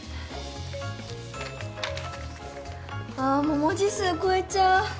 あぁもう文字数超えちゃう。